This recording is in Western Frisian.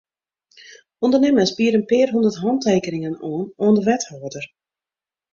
Undernimmers biede in pear hûndert hantekeningen oan oan de wethâlder.